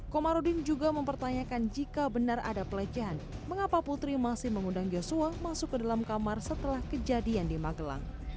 komarudin juga mempertanyakan jika benar ada pelecehan mengapa putri masih mengundang yosua masuk ke dalam kamar setelah kejadian di magelang